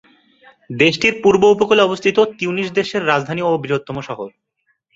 দেশটির পূর্ব উপকূলে অবস্থিত তিউনিস দেশের রাজধানী ও বৃহত্তম শহর।